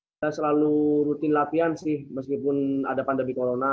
kita selalu rutin latihan sih meskipun ada pandemi corona